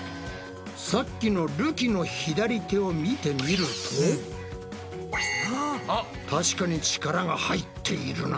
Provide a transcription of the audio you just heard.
さっきのるきの左手を見てみると確かに力が入っているな。